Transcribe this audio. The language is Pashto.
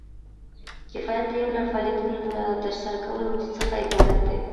کفایت د یو لړ فعالیتونو له ترسره کولو څخه عبارت دی.